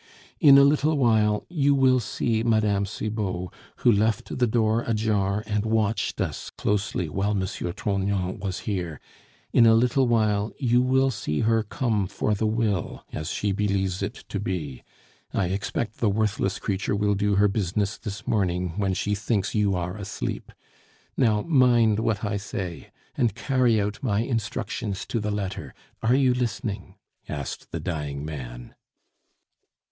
In a little while you will see Mme. Cibot, who left the door ajar and watched us closely while M. Trognon was here in a little while you will see her come for the will, as she believes it to be.... I expect the worthless creature will do her business this morning when she thinks you are asleep. Now, mind what I say, and carry out my instructions to the letter.... Are you listening?" asked the dying man.